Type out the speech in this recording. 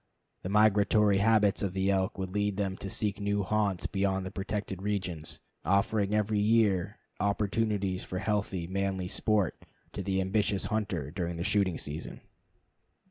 The migratory habits of the elk would lead them to seek new haunts beyond the protected region, offering every year opportunities for healthy, manly sport to the ambitious hunter during the shooting season.